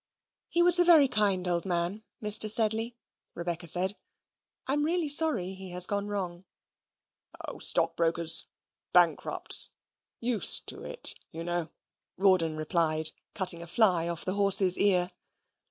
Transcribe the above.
"He was a very kind old man, Mr. Sedley," Rebecca said; "I'm really sorry he's gone wrong." "O stockbrokers bankrupts used to it, you know," Rawdon replied, cutting a fly off the horse's ear.